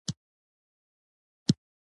افغانستان تر هغو نه ابادیږي، ترڅو منطق حاکم نشي.